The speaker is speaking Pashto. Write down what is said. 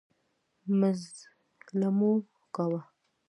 مزلمو کاوه.